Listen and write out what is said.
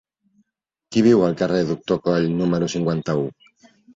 Qui viu al carrer del Doctor Coll número cinquanta-u?